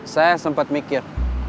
saya sempat mikir